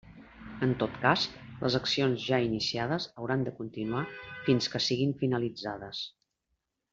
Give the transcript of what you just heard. En tot cas, les accions ja iniciades hauran de continuar fins que siguen finalitzades.